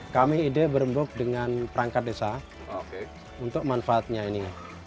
kami ide berembuk dengan perangkat desa untuk manfaatnya ini